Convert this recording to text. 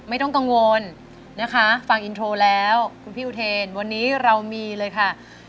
ไม่ต้องกังวลนะคะฟังอินโทรแล้วคุณพี่อุเทนวันนี้เรามีเลยค่ะ